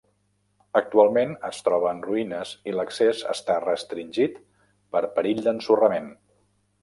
Actualment es troba en ruïnes i l'accés està restringit per perill d'ensorrament.